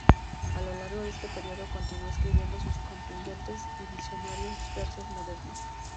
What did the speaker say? A lo largo de este período continuó escribiendo sus contundentes y visionarios versos modernos.